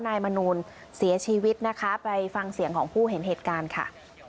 นายมนูลเสียชีวิตนะคะไปฟังเสียงของผู้เห็นเหตุการณ์ค่ะ